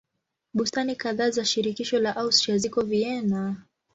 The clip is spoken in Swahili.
Bustani kadhaa za shirikisho la Austria ziko Vienna.